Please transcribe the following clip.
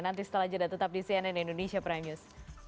nanti setelah jeda tetap di cnn indonesia prime news